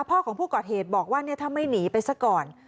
พ่อของผู้ก่อเหตุบอกว่าถ้าไม่หนีไปซะก่อน